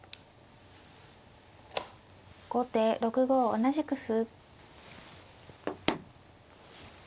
後手６五同じく歩。